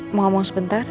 mau ngomong sebentar